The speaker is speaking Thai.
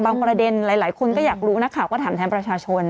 ประเด็นหลายคนก็อยากรู้นักข่าวก็ถามแทนประชาชน